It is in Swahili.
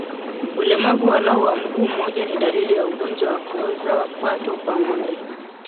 Ulemavu walau wa mguu mmoja ni dalili ya ugonjwa wa kuoza kwato kwa ngombe